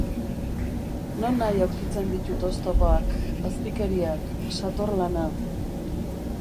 Nonahi aurkitzen ditut oztopoak... azpikeriak... sator-lana...